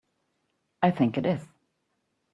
I think it is.